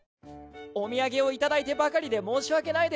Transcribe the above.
お土産を頂いてばかりで申し訳ないです。